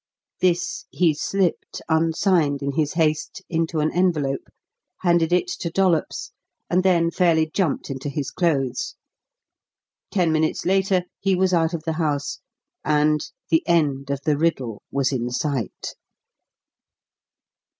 This he slipped, unsigned in his haste, into an envelope, handed it to Dollops, and then fairly jumped into his clothes. Ten minutes later, he was out of the house, and the end of the riddle was in sight.